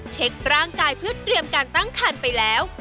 เช็คร่างกายเพื่อเตรียมการตั้งคันไปแล้ว